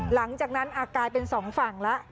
หลังจากนั้นกลายเป็นสองฝั่งแล้ว